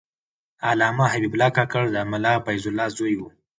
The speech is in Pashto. علامه حبیب الله کاکړ د ملا فیض الله زوی و.